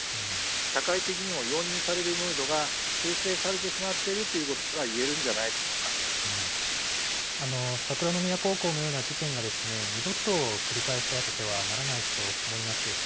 社会的にも容認されるムードが形成されてしまっているということ桜宮高校のような事件が二度と繰り返されてはならないと思います。